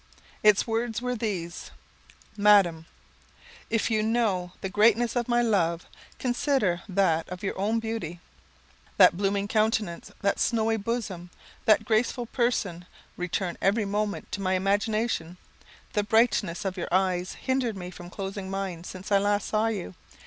Its words were these: "Madam: "If you would know the greatness of my love, consider that of your own beauty. That blooming countenance, that snowy bosom, that graceful person, return every moment to my imagination; the brightness of your eyes hindered me from closing mine since I last saw you.